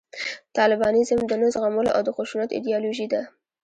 طالبانیزم د نه زغملو او د خشونت ایدیالوژي ده